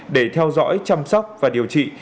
để theo dõi chăm sóc và điều trị